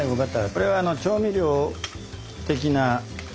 これは調味料的な。